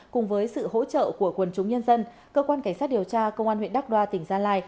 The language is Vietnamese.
cùng với sự hỗ trợ của quần chúng nhân dân cơ quan cảnh sát điều tra công an huyện đắk đoa tỉnh gia lai